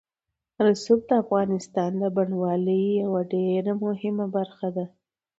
رسوب د افغانستان د بڼوالۍ یوه ډېره مهمه برخه ده.